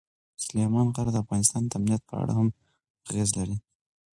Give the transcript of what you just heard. سلیمان غر د افغانستان د امنیت په اړه هم اغېز لري.